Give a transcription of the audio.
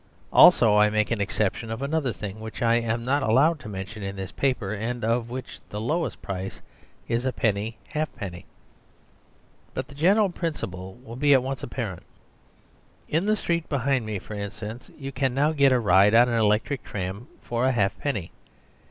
Also I make an exception of another thing, which I am not allowed to mention in this paper, and of which the lowest price is a penny halfpenny. But the general principle will be at once apparent. In the street behind me, for instance, you can now get a ride on an electric tram for a halfpenny.